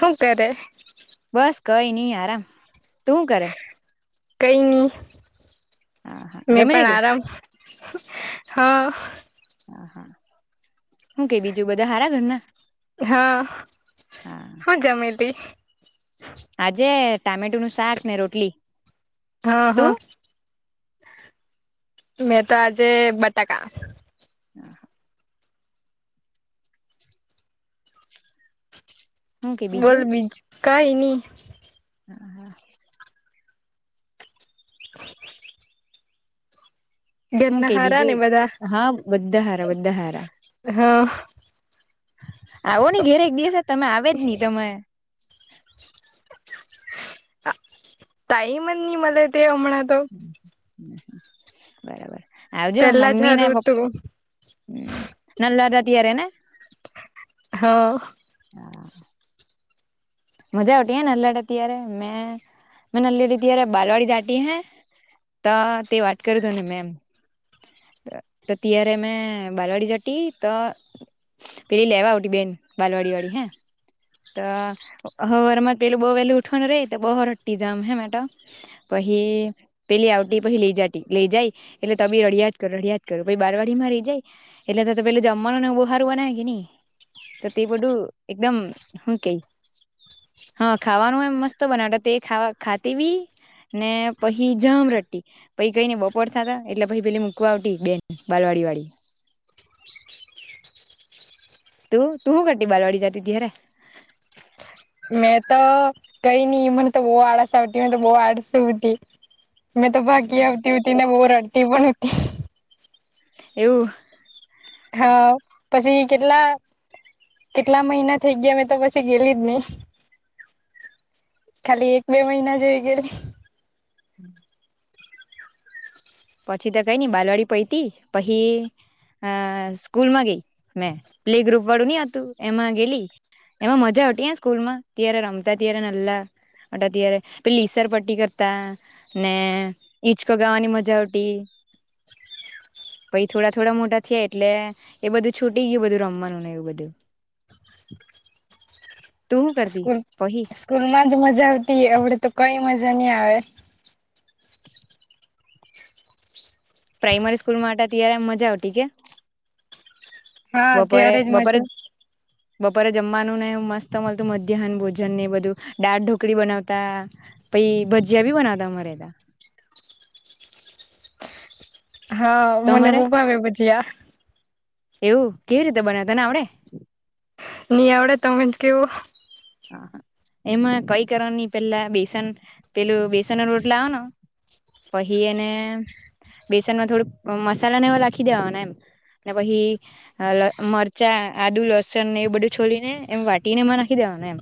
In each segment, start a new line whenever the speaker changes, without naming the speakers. હું કરે?
બસ કઈ નઈ આરામ. તું હું કરે?
કઈ નહી
હા હા
મેં
જમી
પણ
લીધું
આરામ. હ.
હું કેઈ બીજું બધા હારા ઘરના?
હા
હા
શું જમી હતી?
આજે ટામેટુ નું શાક ને રોટલી
હા હા
તું?
મેં તો આજે બટાકા.
હા હા હું કે
બોલ
બીજું
બીજ કઈ નહી.
હમ હા. હું
ઘરના
કે
હારા ને
બીજું
બધા
હા બધા હારા બધા હારા.
હાં.
આવો નહી ઘેરે એક દિવસે તમે આવે જ નહી તમે?
ટાઈમ જ ની મલે તે. હમણાં તો
હ હ બરાબર. આવજો
પેલા
મમ્મી ને
જરૂર તું
પપ્પા નલલા હતા ત્યારે ને
હા
મજા ઉતી હૈ નનલા ત્યારે મેં બાલવાડી જાતી હૈ. ત તે વાત કરું તને મે એમ. તો ત્યારે મેં બાલવાડી જતી તો પેલી લેવા આવ બેન બાલવાડી વાળી હે. હ હવારમાં પેલું બહુ વહેલું ઉઠવાનું રહી તો બહ રડતી જામ હે મેટ પછી પેલી. પછ લઈ જાય એટલે તી રડદ કરો રડિયાદ કરો પ બારવાડી માં રઈ જાય એટલે પે પ જમવાનુંને બો હારું બનાવે કે નહી તો તે બધું એકદમ હું કેઈ હા ખાવાનું એમ મસ્ત બનાવતા તે ખાવા ખાતી બી ને પછી જામ રડટી પછી કઈને બપોર થાતા એટલે પછી પેલી મૂકવા આવતી બેન બાલવાડી ડી વાળી.
[inaudible]
તું તું હું કરતી બાાલવાડી જતી ત્યારે?
મેં તો કઈ નઈ મને તો બહુ આળસ આવતી મને તો બહુ આળસુ ‌હતી. મેં તો ભાગી આવતી હોતી ને બહ રડટી પણ હતી
એવું
હા પછી કેટલા કેટલા મહિના થઇ ગયા મે તો પછી ગેલી જ નહી. ખાલી એક બે મહિના જેવી ગયલી.
[inaudible] પછી તો કઈ નઈ બાલવાડી પૈયતી પહી અ સ્કૂલમાં ગઈ મે પ્લે ગ્રુપ વાળું નહીં હતું એમાં ગેલી એમાં મજા આવતી સ્કૂલ માં ત્યારે રમતા ત્યારે નલ્લા અત્યારે પે ઈસર પટ્ટી કરતા ને ઈચકો ગાવાની મજા આવ તી
[inaudible]
પહી થોડા થોડા મોટા થયા એટલે એ બધું છૂટી ગયું બધું રમવાનું ને એવું બધું.
[inaudible]
તું શું કરતી
સ્કૂલ
પહી
સ્કૂલમાં જ મજા આવતી અવડે તો કઈ મજા નઈ આવે
પ્રાઈમરી સ્કૂલમાં માટે અ ત્યારેમ મજા આવતી કે
હા
બપોરે
ત્યારે જ
બપોરે
મજા
બપોરે જમવાનું ને મસ્ત મળતું મધ્યાહન ભોજન ને બધું, દાળ ઢોકળી બનાવતા પહી ભજીયા ભી બના દ મારેદ
[inaudible] હા મને
તમારે
બો ભાવે ભજીયા
એવું કેવી રીતે બનાવ તને આવડે
નિયા આવળે તમેજ કેવો
હા એમાં કઈ કરવા નની પેલા બેસન પેલું બેસન નુ લોટલાવાનો પહી એને બેસનમાં થોડું મસાલાને એ લખી દેવાના એમ ને પહી મરચા આદુ લસણ એ બધું છોલી ને એમ વાટીને એમાં નાખી દેવાન ન અમ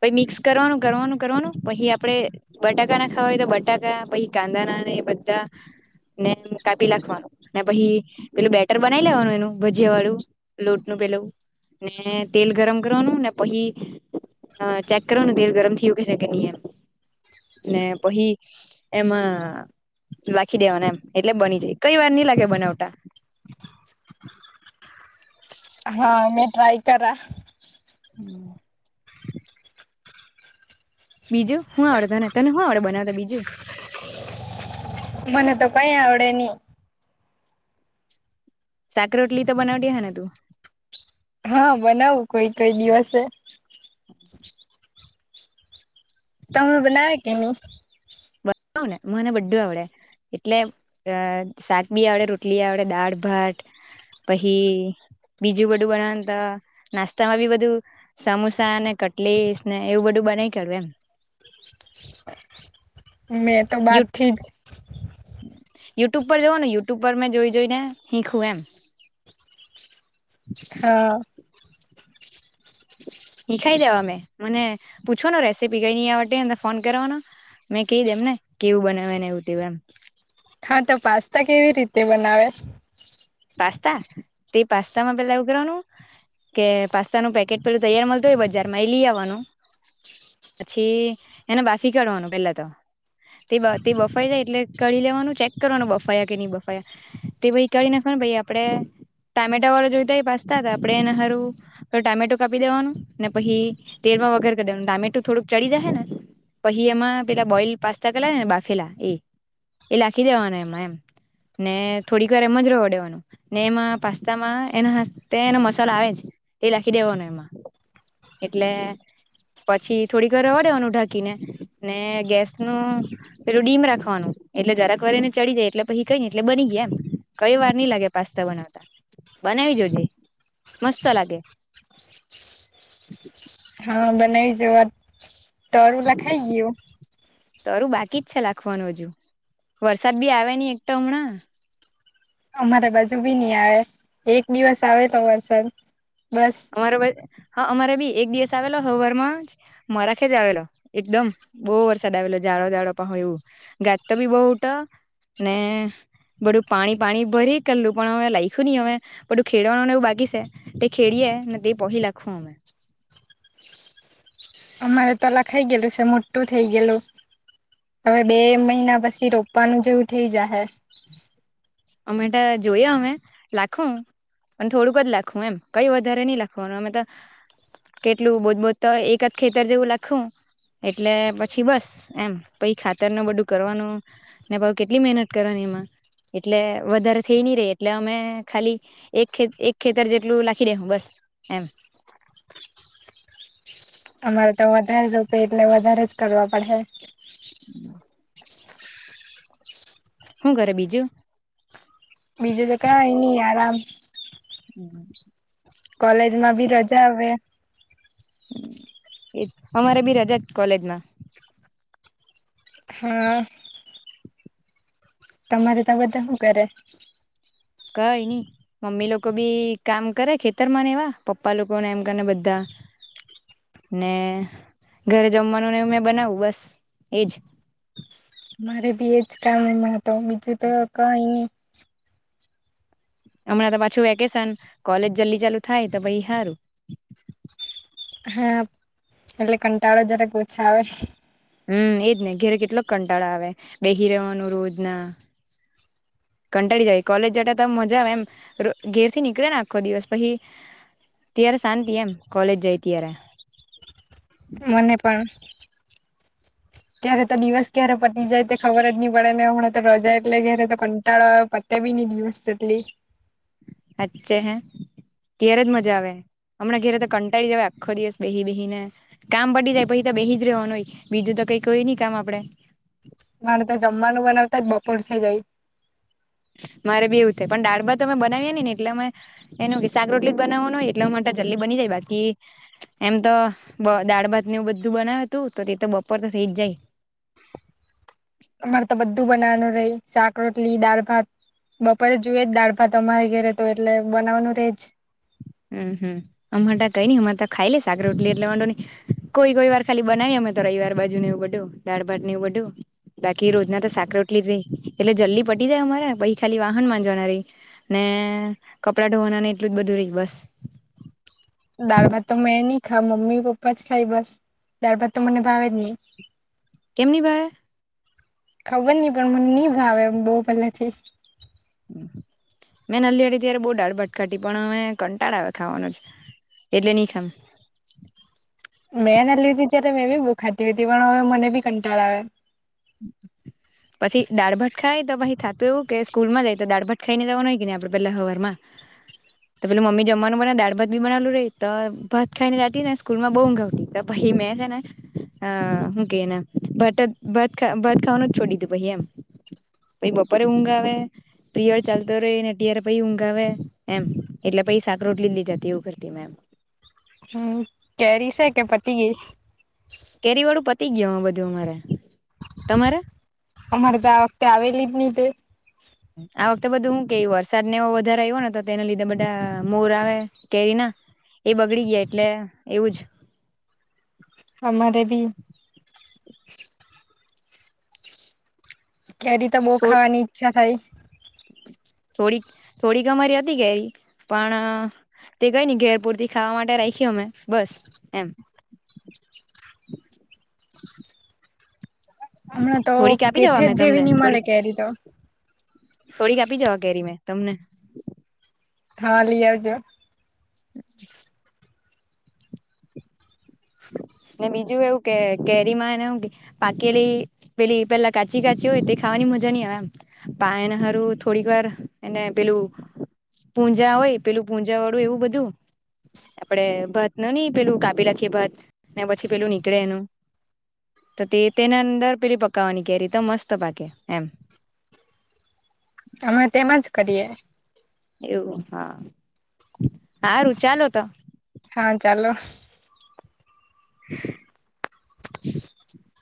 પહી મિક્સ કરવાનું કરવાનું કરવાનું પહી આપડે બટાકા ના ખાવા હોય તો બટાકા પહી કા નાંદા ના એ બધા ને અમ કાપી લખવાનું ને પહી પેલું બેટર બનાવી લેવાનું એનું ભજીયા વાળું લોટનું પેલું ને તેલ ગરમ કરવાનું ને પહી હ ચેક કરો ને તેલ ગરમ થયું ઉકે છે કે નહી એમ ને પહી એમાં લાખી દેવાના એમ એટલે બની જાય કઈ વાર નઈ લાગે બનાવટા
[inaudible] હા મેં ટ્રાય કરા
હમ બીજું હું આવડતોને તને હું આવડ બનાવતા બીજું
મને તો કઈ આવડે નહી
સાક રોટલી તો બનાવતી હે ને તું
હા બનાવું કોઈ કઈ દિવસે તમે બનાવે કે ની
બનાઉ ન મને બડ્ધુ આવડે એટલે અ શાક બી આવડે રોટલી આવડે દાળ ભાટ પહી બીજું બધું બનાવા ત નાસ્તા માં બી બધું સમોસા ને કટલેસ ને એવું બધું બનાઈ કાઢુ એમ
મેં તો બાર થી જ
યુટ્યુબ પર જવો યુટ્યુબ પર મેં જોઈ જોઈને હીખું એમ
હા
શીખાઈ દેવા અમે મને પૂછોનો રેસીપી કઈ ની આવટી ફોન કરવાનો મેં કહી દેમને કેવું બનાને એવું તેવું એમ
હા તો પાસ્તા કેવી રીતે બનાવે.
પાસ્તા તે પાસ્તા માં પેલા ઉ કરવારવાનું. કે પાસ્તા નું પેકેટ પેલું તૈયાર મળતું હોય બજાર માં એ લઈ આવવાનું પછી એને બાફી કાઢવાનું પેલા તો તે બફાઈ જાય એટલે કળી લેવાનું ચેક કરવાનું બફાયા કે નહી બફાયા તે ભ ઈ કીયને પણ ભાઈ આપડે ટામેટા વાળો જોઈતા પાસ્તા તો આપડેને હારું ટામેટો કાપી દેવાનું ને પહી તેલ વગર કનું ટામેટું થોડુંક ચડી જાય હ્ ને પછી એમાં પેલા બોઈલ પાસ્તા કરલા ને બાફેલા એ એ લાખી દેવાના એમાં એમ ને થોડીક વાર એમજ રવ ડ્યો ને એમાં પાસ્તામાં એ એનોતે મસાલા આવે જ એ લખી દેવાનો એમાં એટલે પછી થોડી ઘ રવાડેવાનું ઢાંકીને ને ગેસ નું પેલું ડીમ રાખવાનું. એટલે જરાક વાર એને ચડી જાય એટલે પછી કઈ ને એટલે બની ગયા એમ કઈ વાર ની લાગે પાસ્તા બનાવતા બનાવી જોજે મસ્ત લાગે.
[inaudible] હા બનાવી જ વઆ તરુલા ખાઈ ગયું.
તરું બાકી જ છે લખવાનું હજુ વરસાદ બી આવે નહી એકટા હમણાં
અમારે બાજુ બી નહ આવે એક દિવસ આવે તો વરસાત
અમારા વ ત હા અમારે ભી એક દિવસ આવેલો હવારમાં મારા ખેજ આવેલો એકદમ બહુ વરસાદ આવેલો જાઝડો જાડો હોય એ ગાત તો બી બહુટા ને બધું પાણી પાણી ભરી કરલું પણ હવે લાઈખ્યું નહી હવે બધું ખેડવાનુંને એવું બાકી છે તે ખેડીએ તે પોહી લખો અમે
અમારે તો લખાઈ ગયલું છે મોટું થઇ ગયલું. હવે બે મહિના પછી રોપવાનું જેવું થઇ જા હે
અમેટા જોયા અમે લાખો પણ થોડુંક જ લખવું એમ કઈ વધારે નહી લખવાનું અમે તો કેટલું બોજ બો તો એક જ ખેતર જેવું લખું એટલે પછી બસ એમ પહી ખાતર ન બધું કરવાનું ને પહ કેટલી મહેનત કરવાની એમાં એટલે વધારે થઈ નહી રે એટલે અમે ખાલી એક એક ખેતર જેટલું લખી દે બસ એમ
[inaudible] અમારે તો વધારે રૂપે એટલે વધારે જ કરવા પડે
હું ઘરે બીજું
બીજે જ ત કાઇ ની આરામ
હમ
કોલેજમાં બી રજા આવે
એજ અમારે બી રજા જ કોલેજમાં
હા તમારે તો બધા શું કરે
કઈ નઈ મમ્મી લોકો બી કામ કરે ખેતર માં ને એવા પપ્પા લોકોને એમ કરીને બધા
હ
ને ઘરે જમવાનું ને મેં બનાવું બસ એજ
મારે બી એજ કામ ન મળતો બીજું તો કઈ ની
હમણાં તો પાછું વેકેશન કોલેજ જલ્દી ચાલુ થાય તો પહી હારું
હા એટલે કંટાળો જરાક ઓછા આવે
હમ એજ નહ ઘેરે કેટલોક કંટાળા આવે બેહી રવાનું રોજ ના કંટાળી જાય કોલેજ જતા ત મજા આવે એમ ઘેર થી નીકળે ને આખો દિવસ પછી ત્યારે શાંતિ એમ કોલેજ જાય ત્યારે
મને પણ ત્યારે તો દિવસ ક્યારે પતી જાય તે ખબર જ નહી પડે ને હણા તો રજા એટલે ક્યારે તો કંટાળો પતેી બની દિવસલે
અચ્છે હૈ તરત મજા આવે હમણા ઘેરે તો કંટાળી જવા આખો દિવસ બેહી બેહી ને કામ પડી જાય પછી તો બેહી જ રહેવાનું હોય બીજું તો કઈ કોઈ નહી કામ આપડે
તત બપરસ જાય
હ મારે બેવું થાય પણાળા અમે બનાવી્યા ને એટલેમે એ વિાક રોટલી જ બનાવવા ન હોય એટલે માટે જલ્દી બની જાય બાકી એમ તો દાળ ભાત નું બધું બનાવ્યું હતું તો તે તો બપોર તો સઇ જ જાય
અમારે તો બધું બનાવાનું ર શાક રોટલી દાળ ભાત બપોરે જોુય જ દાળભા તમારે ઘેરે તો એટલે બનાવવાનું રેજ
હમ હમ અમટા કઈ ન અમારે ખાઈ લે સાકર રોટલી એટલે ડોની કોઈ કોઈ વાર ખાલી બનાવી અમે તો રવિવાર બાજુ ને એવું બધું દાળ ભાત નેવું બધું બાકી રોજના તો સાકરટલી જ રહી એટલે જલ્દી પટી જાય અમારા પછ ખાલી વાહન માંજવાના રહી ને કપડાં ધોવાનાને એટલું જ બધું રહી બસ
દાળ ભાત તો મેં નહી ખા મમ્મી પપ્પા જ ખાય બસ દાળભાત તો મને ભાવે જ નહી
કેમની ભાઈ
ખબર નહી પણ મને ની ભાવે મને બહુ પહેલેથી
મેં નનલિ હતી ત્યારે બહુ દાળભાત ખાતી પણ અ હવે કંટાળ આવે ખાવાનો જ એટલે નહીં ખામ
મેંને લીધી ત્યારે મેં બી બહુ ખાતી હતી પણ હવે મને બી કંટાળો આવ્યો
[unintelligible] પછી દાળભટ ખાય તો પછી થતું એવું કે સ્કૂલ માં જાય તો દાળભટ ખાઈ ને જવાનું હોય કે ન આપડે પેલા હવારમાં
[inaudible]
તો પેલું મમી જમવાનું બના દાળ ભાત બી બનાલું રહી તો ભાત ખાઈને જતી ને સ્કૂલમાં બહુઊંઘવતી ભ હ મે છેના અ કે એને બટ બ ભત ખાવાનું જ છોડીધું પછ એમ પછી બપોરે ઊંઘ આવે પ્રિયડ ચાલતો રહે એને અત્યારે પછી ઊંઘ આવેે એમ એટલે પછી સાક રોટલી લઈ જતી એવું કરતી મે એમ.
હમ કેરી છે કે પતિ
કેરી વાળું પતી ગય બધું અમારે. તમારે
અમારે તો આ વખતે આવેલી જ નહીં તે.
તો બધું હું કે વરસાદ ને વધારે આવ્યો ને તો તેના લીધે બધા મોર આવે કેરી ના એ બગડી ગયા એટલે એવું જ
આમારે બી કેરી તો બહુ ખાવાની ઈચ્છા થાય
થોડીક થોડીક અમારી હતી ઘરી પણ તે કઈ ને ઘેર પૂરતી, ખાવા માટે રાખી અમે બસ એમ
[unintelligible] હમણાં તો
થોડીક આપી જવા
કેથે જ
મેં તમને
જેવી ની મળ
થોડીક
કેરી તો,
થોડીક આપી જવા કેરી મે તમને
હા લીયા જો
ને બીજું એવું કે કેરી માં પાકેલી પેલી પેલા કાચી કાચી હોય તે ખ વાની મજા નઈ આવે એમ પા હારું થોડીક વાર એને પેલું પૂંજા હોય પેલું પૂંજા વાળું એવું બધું આપડે ભત ન નહ પેલું કાપી રાખીએ ભત ને પછી પેલું નીકળે એનું તો તે તેના અંદર પેલી પકાવવાની કે રીતે મસ્ત પાકે એમ
અમે તેમાંજ કરીએ
એવું હા સારું ચાલો તો.
હા ચાલો
[unintelligible]
[unintelligible]